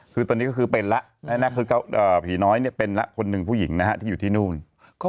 คือตัวนี้ก็คือเป็นละผีน้อยเป็นละคนนึงผู้หญิงที่อยู่ที่โน้น